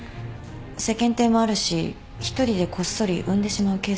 世間体もあるし一人でこっそり産んでしまうケースも多いって。